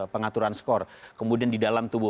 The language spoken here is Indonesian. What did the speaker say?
pengaturan skor kemudian di dalam tubuh